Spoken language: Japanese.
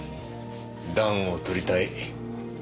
暖をとりたい。